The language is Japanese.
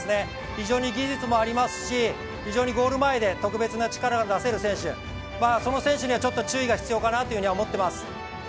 非常に技術もありますし、非常にゴール前で特別な力を出せる選手、その選手には注意が必要かなと思ってます。